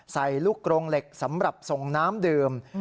ใส่ลูกกรงเหล็กสำหรับส่งน้ำดื่ม